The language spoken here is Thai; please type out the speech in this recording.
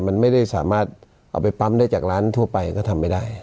มันไม่ได้สามารถเอาไปปั๊มได้จากร้านทั่วไปก็ทำไม่ได้